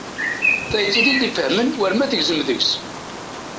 Tayet i t-id-ifahmen war ma tegzem deg-s.